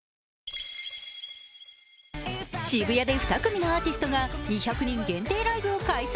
渋谷で２組のアーティストが２００人限定ライブを開催。